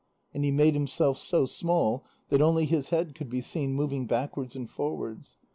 And he made himself so small that only his head could be seen moving backwards and forwards.